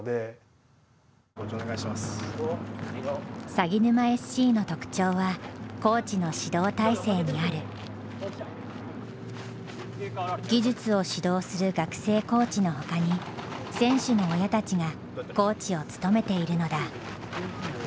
さぎぬまＳＣの特徴は技術を指導する学生コーチのほかに選手の親たちがコーチを務めているのだ。